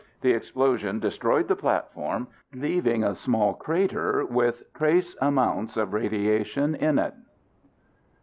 The explosion destroyed the platform, leaving a small crater with trace amounts of radiation in it.